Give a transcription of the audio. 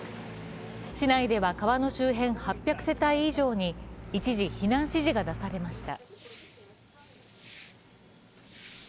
市内では川の周辺８００世帯以上に一時、避難指示が出されました。